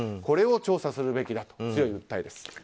これを調査するべきだという強い訴えです。